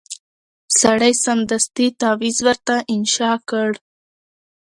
سړي سمدستي تعویذ ورته انشاء کړ